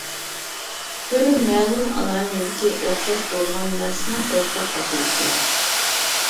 تۈر-مەلۇم ئالاھىدىلىكى ئوخشاش بولغان نەرسىنىڭ ئورتاق ئاتىلىشى.